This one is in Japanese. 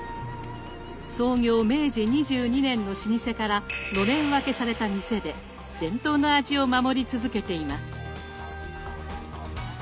創業明治２２年の老舗からのれん分けされた店で伝統の味を守り続けています。